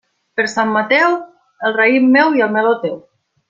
Per Sant Mateu, el raïm meu i el meló, teu.